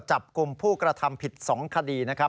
จับกลุ่มผู้กระทำผิด๒คดีนะครับ